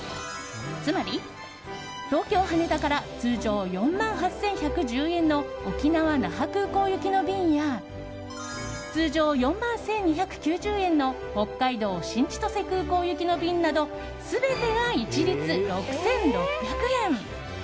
つまり東京・羽田から通常４万８１１０円の沖縄・那覇空港行きの便や通常４万１２９０円の北海道・新千歳空港行きの便など全てが一律６６００円。